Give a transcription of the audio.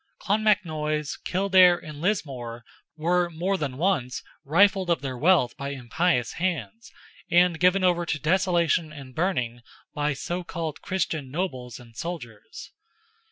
Clonmacnoise, Kildare, and Lismore, were more than once rifled of their wealth by impious hands, and given over to desolation and burning by so called Christian nobles and soldiers!